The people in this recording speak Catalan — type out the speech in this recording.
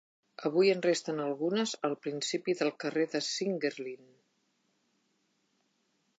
Avui en resten algunes al principi del carrer de Singuerlín.